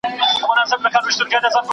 لعل په ایرو کي نه ورکېږي.